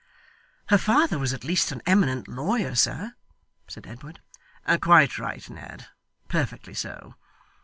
'Her father was at least an eminent lawyer, sir,' said Edward. 'Quite right, Ned; perfectly so.